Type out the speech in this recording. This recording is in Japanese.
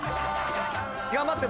頑張って！